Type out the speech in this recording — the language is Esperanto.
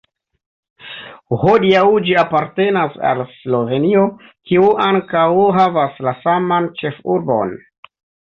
Hodiaŭ ĝi apartenas al Slovenio, kiu ankaŭ havas la saman ĉefurbon.